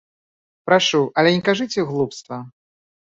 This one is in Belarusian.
Прашу, але не кажыце глупства.